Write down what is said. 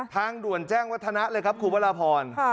ทางด่วนแจ้งวัฒนะเลยครับคุณวรพร